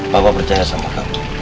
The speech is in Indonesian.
papa percaya sama kamu